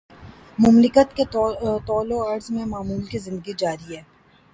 مملکت کے طول وعرض میں معمول کی زندگی جاری ہے۔